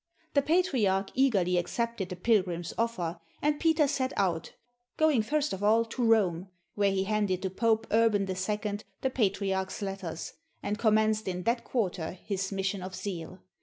" The patriarch eagerly accepted the pilgrim's offer; and Peter set out, going first of all to Rome, where he handed to Pope Urban II the patriarch's letters, and commenced in that quarter his mission of zeal.